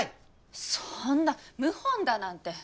そんな謀反だなんて。